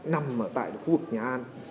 nằm ở tại khu vực nhà an